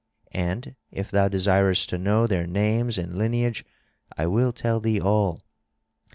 And if thou desirest to know their names and lineage I will tell thee all.